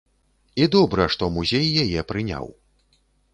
І добра, што музей яе прыняў.